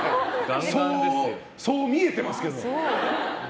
そう見えてますけど。